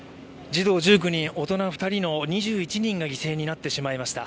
児童１９人、大人２人の２１人が犠牲になってしまいました。